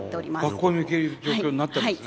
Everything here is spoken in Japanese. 学校に行ける状況になったんですね？